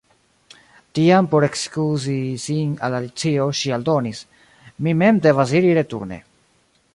Tiam por ekskuzi sin al Alicio ŝi aldonis: "Mi mem devas iri returne. »